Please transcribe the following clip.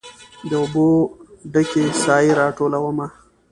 د اوبو ډ کې سائې راټولومه